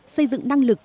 xây dựng năng lực